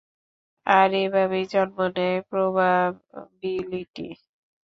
আর এভাবেই জন্ম নেয় প্রবাবিলিটি।